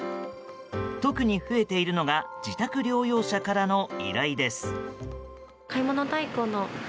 特に、増えているのが自宅療養者からの依頼です。